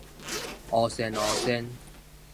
烏鉎烏鉎